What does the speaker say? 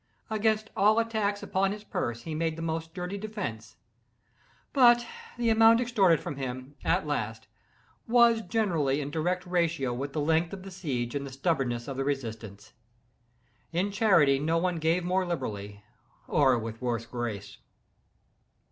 Against all attacks upon his purse he made the most sturdy defence; but the amount extorted from him, at last, was generally in direct ratio with the length of the siege and the stubbornness of the resistance. In charity no one gave more liberally or with a worse grace.